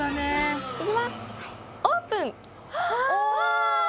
オープン！